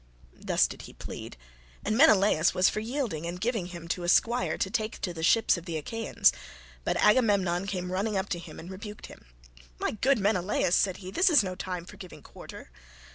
Thus did he plead, and Menelaus was for yielding and giving him to a squire to take to the ships of the Achaeans, but Agamemnon came running up to him and rebuked him. "My good Menelaus," said he, "this is no time for giving quarter.